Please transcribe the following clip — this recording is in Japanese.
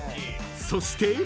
そして］